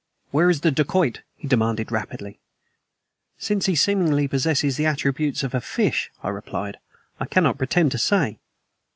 "Where is the dacoit?" he demanded rapidly. "Since he seemingly possesses the attributes of a fish," I replied, "I cannot pretend to say."